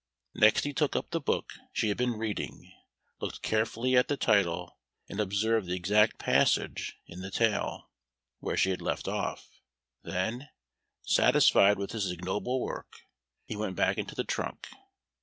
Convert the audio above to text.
Next he took up the book she had been reading, looked carefully at the title, and observed the exact passage in the tale where she had left off. Then, satisfied with his ignoble work, he went back into the trunk.